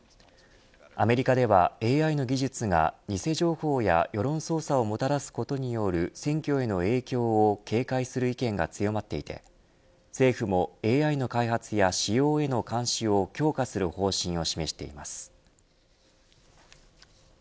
アメリカではＡＩの技術が偽情報や世論操作をもたらすことによる選挙への影響を警戒する意見が強まっていて政府もＡＩの開発や使用への監視を強化する方針を示しています。